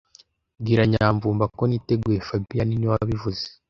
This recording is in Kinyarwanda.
Bwira Nyamvumba ko niteguye fabien niwe wabivuze